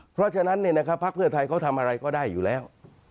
เพราะฉะนั้นพักเพื่อไทยเขาทำอะไรก็ได้อยู่แล้ว